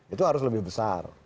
itu harus lebih besar